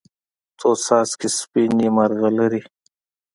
څو څاڅکي سپینې، مرغلرې